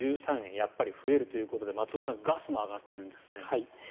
やっぱり増えるということで松尾さんガスも上がってるんですね。